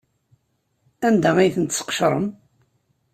Anda ay tent-tesqecrem?